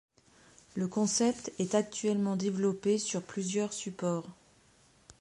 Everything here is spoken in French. Le concept est actuellement développé sur plusieurs supports.